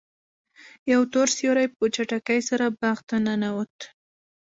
یو تور سیوری په چټکۍ سره باغ ته ننوت.